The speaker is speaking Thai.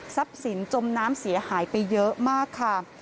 สินจมน้ำเสียหายไปเยอะมากค่ะ